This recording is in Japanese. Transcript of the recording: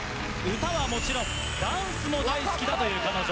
歌はもちろんダンスも大好きだという彼女。